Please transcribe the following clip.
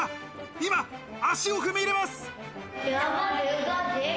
今、足を踏み入れます。